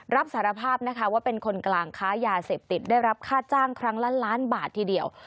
รับสารภาพนะคะว่าเป็นคนกลางค้ายาเสพติดได้รับค่าจ้างครั้งละล้านบาททีเดียว